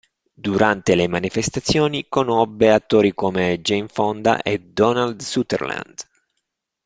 Durante le manifestazioni conobbe attori come Jane Fonda e Donald Sutherland.